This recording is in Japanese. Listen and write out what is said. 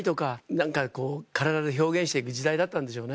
何かこう体で表現して行く時代だったんでしょうね。